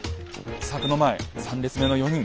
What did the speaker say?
柵の前３列目の４人。